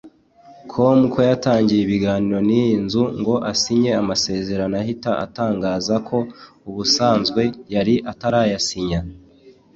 com ko yatangiye ibiganiro n’iyi nzu ngo asinye amasezerano ahita atangaza ko ubusanzwe yari atarayasinya